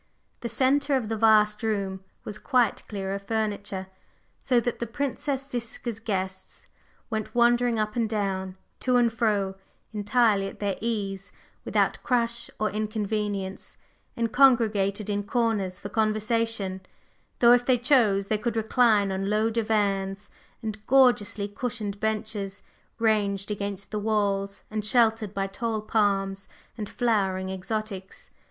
The centre of the vast room was quite clear of furniture, so that the Princess Ziska's guests went wandering up and down, to and fro, entirely at their ease, without crush or inconvenience, and congregated in corners for conversation; though if they chose they could recline on low divans and gorgeously cushioned benches ranged against the walls and sheltered by tall palms and flowering exotics.